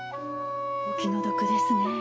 お気の毒ですね。